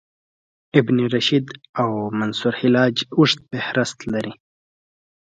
ابن رشد او منصورحلاج اوږد فهرست لري.